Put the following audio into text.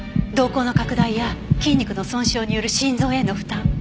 瞳孔の拡大や筋肉の損傷による心臓への負担。